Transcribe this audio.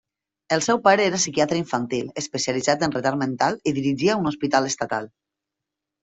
El seu pare era psiquiatre infantil, especialitzat en retard mental, i dirigia un hospital estatal.